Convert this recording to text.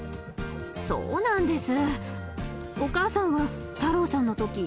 そうなんです。